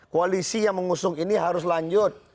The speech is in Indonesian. koalisi yang mengusung ini harus lanjut